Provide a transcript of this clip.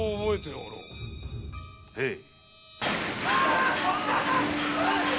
へい。